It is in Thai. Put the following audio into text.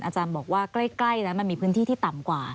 อาจารย์บอกว่าใกล้แล้วมันมีพื้นที่ที่ต่ำกว่า